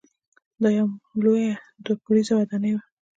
دا یوه لویه دوه پوړیزه ودانۍ وه.